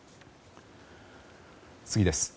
次です。